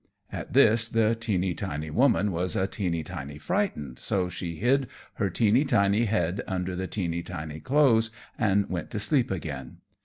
At this the teeny tiny woman was a teeny tiny frightened, so she hid her teeny tiny head under the teeny tiny clothes, and went to sleep again.